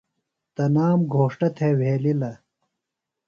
تنام گھوݜٹہ تھےۡ وھیلِلہ۔